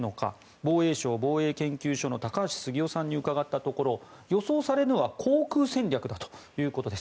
防衛省防衛研究所の高橋杉雄さんに伺ったところ予想されるのは航空戦略だということです。